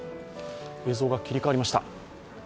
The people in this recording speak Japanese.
映像が切り替わりました。